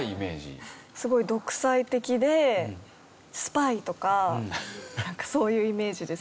すごい独裁的でスパイとかなんかそういうイメージですね。